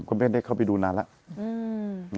ไม่ได้เข้าไปดูนานแล้ว